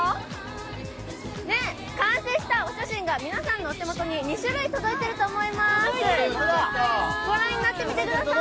完成したお写真が皆さんのお手元に２種類届いていると思います、ご覧になってみてください。